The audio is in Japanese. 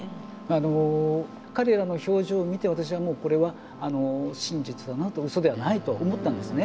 あの彼らの表情を見て私はもうこれは真実だなとうそではないと思ったんですね。